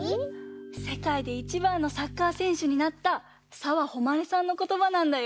せかいでいちばんのサッカーせんしゅになった澤穂希さんのことばなんだよ。